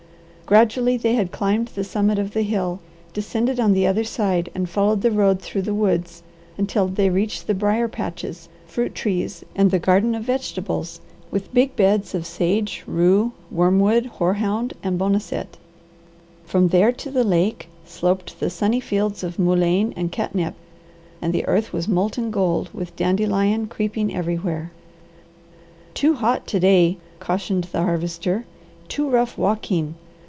Gradually they had climbed the summit of the hill, descended on the other side, and followed the road through the woods until they reached the brier patches, fruit trees; and the garden of vegetables, with big beds of sage, rue, wormwood, hoarhound, and boneset. From there to the lake sloped the sunny fields of mullein and catnip, and the earth was molten gold with dandelion creeping everywhere. "Too hot to day," cautioned the Harvester. "Too rough walking.